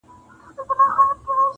خو زه تاسي ته كيسه د ژوند كومه!.